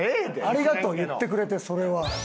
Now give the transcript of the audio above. ありがとう言ってくれてそれは。